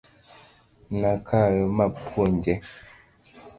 Nakawe mapuonje .